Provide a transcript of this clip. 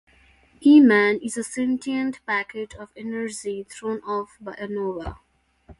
E-Man is a sentient packet of energy thrown off by a nova.